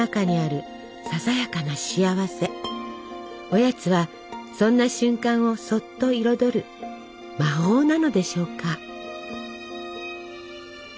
おやつはそんな瞬間をそっと彩る魔法なのでしょうか。